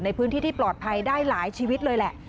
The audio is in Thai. ในพื้นที่ที่ปลอดภัยได้หลายชีวิตเลยแหละ